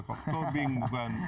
kok tobing bukan